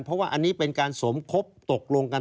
เพราะว่าอันนี้เป็นการสมคบตกลงกัน